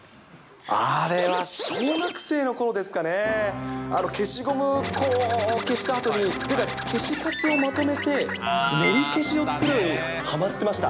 あれは小学生のころですかね、消しゴム、こう消したあとに、消しかすをまとめて、練り消しを作るのにはまってました。